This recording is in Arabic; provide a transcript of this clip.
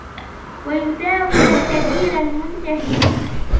وَيُسَاوِيَ الْكَبِيرَ الْمُنْتَهِي